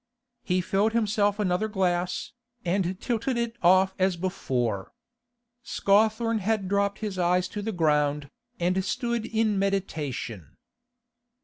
He filled himself another glass, and tilted it off as before. Scawthorne had dropped his eyes to the ground, and stood in meditation.